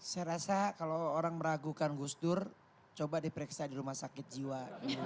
saya rasa kalau orang meragukan gus dur coba diperiksa di rumah sakit jiwa